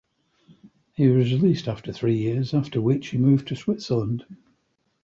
He was released after three years after which he moved to Switzerland.